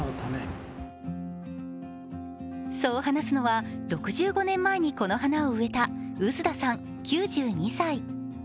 そう話すのは６５年前にこの花を植えた臼田さん９２歳。